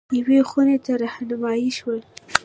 یوې خونې ته رهنمايي شول.